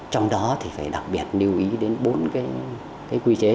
trong đó thì phải đặc biệt lưu ý đến bốn cái quy chế